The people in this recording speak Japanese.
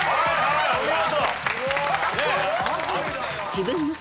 お見事！